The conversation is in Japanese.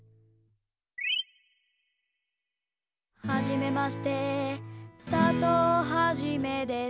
「はじめまして」「佐藤はじめです」